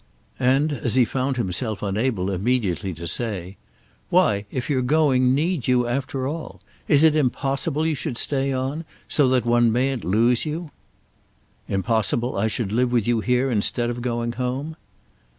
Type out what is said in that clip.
And as he found himself unable immediately to say: "Why, if you're going, need you, after all? Is it impossible you should stay on—so that one mayn't lose you?" "Impossible I should live with you here instead of going home?"